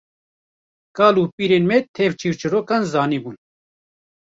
Kal û pîrên me tev çîrçîrokan zanibûn